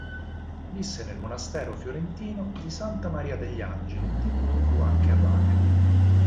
Visse nel monastero fiorentino di Santa Maria degli Angeli, di cui fu anche abate.